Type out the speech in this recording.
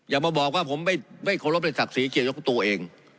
อย่ามาบอกว่าผมไม่ไม่ควรรับในศักดิ์ศรีเกี่ยวกับตัวเอง